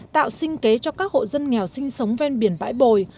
tạo sinh kế cho các hộ dân nghèo sinh sống ven biển bãi bồi